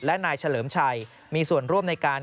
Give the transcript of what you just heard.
และนายเฉลิมชัยมีส่วนร่วมในการ